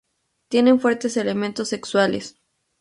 Tienen fuertes elementos sexuales.